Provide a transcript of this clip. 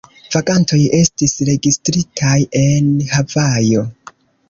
Vagantoj estis registritaj en Havajo.